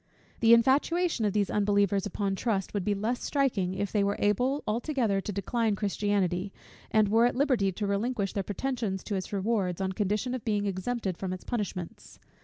The infatuation of these unbelievers upon trust would be less striking, if they were able altogether to decline Christianity; and were at liberty to relinquish their pretensions to its rewards, on condition of being exempted from its punishments.